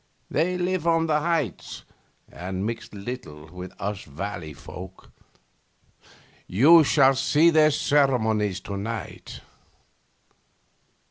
They live on the heights, and mix little with us valley folk. You shall see their ceremonies to night.